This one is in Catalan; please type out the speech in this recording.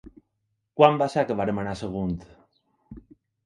Quan va ser que vam anar a Sagunt?